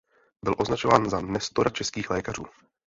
Byl označován za nestora českých lékařů.